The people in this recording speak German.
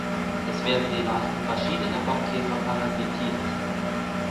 Es werden die Larven verschiedener Bockkäfer parasitiert.